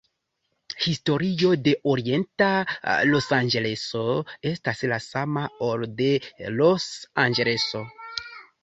Historio de Orienta Losanĝeleso estas la sama, ol de Los Anĝeleso.